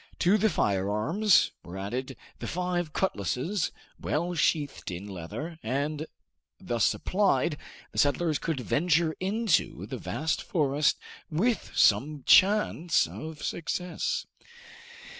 To the firearms were added the five cutlasses well sheathed in leather, and, thus supplied, the settlers could venture into the vast forest with some chance of success.